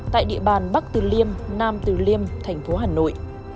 tại địa bàn bắc từ liêm nam từ liêm thành phố hà nội